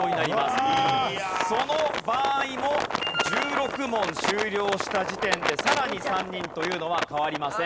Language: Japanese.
その場合も１６問終了した時点でさらに３人というのは変わりません。